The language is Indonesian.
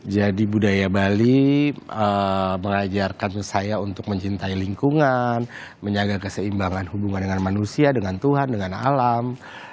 jadi budaya bali mengajarkan saya untuk mencintai lingkungan menjaga keseimbangan hubungan dengan manusia dengan tuhan dengan alam